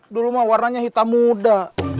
dulu mah warnanya hitam muda